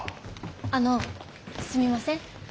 あのすみません。